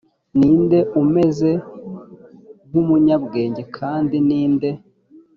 ni nde umeze nk umunyabwenge kandi ni nde